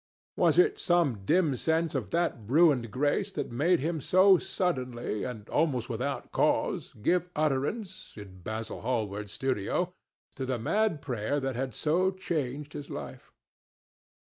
Was it some dim sense of that ruined grace that had made him so suddenly, and almost without cause, give utterance, in Basil Hallward's studio, to the mad prayer that had so changed his life?